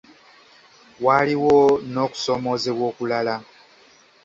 Waaliwo n’okusoomoozebwa okulala.